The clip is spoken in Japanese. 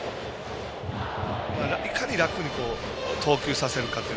いかに楽に投球させるかという。